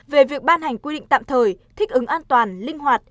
về việc ban hành quy định tạm thời thích ứng an toàn linh hoạt